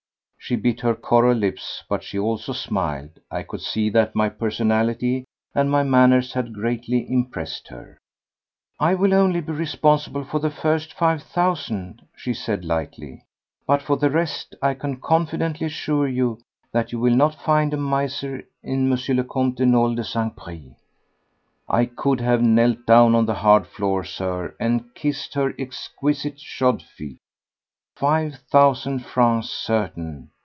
She bit her coral lips ... but she also smiled. I could see that my personality and my manners had greatly impressed her. "I will only be responsible for the first five thousand," she said lightly. "But, for the rest, I can confidently assure you that you will not find a miser in M. le Comte de Nolé de St. Pris." I could have knelt down on the hard floor, Sir, and kissed her exquisitely shod feet. Five thousand francs certain!